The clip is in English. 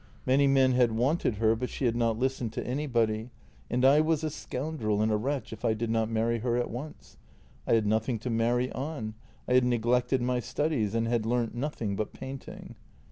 Many men had wanted her, but she had not listened to any body, and I was a scoundrel and a wretch if I did not marry her at once. I had nothing to marry on; I had neglected my studies and had learnt nothing but painting.